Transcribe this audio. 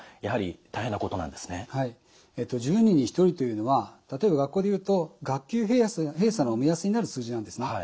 １０人に１人というのは例えば学校でいうと学級閉鎖の目安になる数字なんですね。